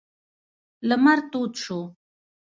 لمر تود شو.